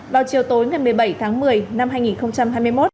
vào chiều tối ngày một mươi bảy tháng một mươi năm hai nghìn hai mươi một